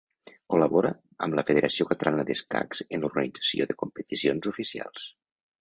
Col·labora amb la Federació Catalana d'Escacs en l'organització de competicions oficials.